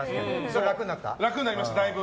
楽になりました、だいぶ。